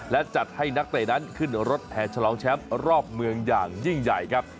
และจัดให้นักเตะนั้นขึ้นรถแห่ฉลองแชมป์รอบเมืองอย่างยิ่งใหญ่ครับ